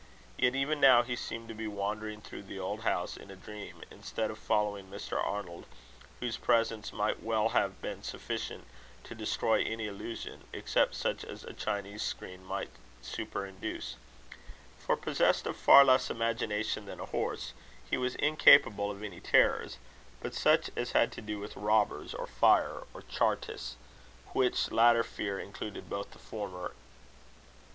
Yet even now he seemed to be wandering through the old house in a dream, instead of following Mr. Arnold, whose presence might well have been sufficient to destroy any illusion, except such as a Chinese screen might superinduce; for, possessed of far less imagination than a horse, he was incapable of any terrors, but such as had to do with robbers, or fire, or chartists which latter fear included both the former.